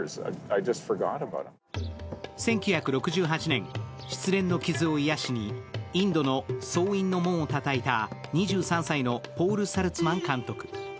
１９６８年、失恋の傷を癒しにインドの僧院の門をたたいた２３歳のポール・サルツマン監督。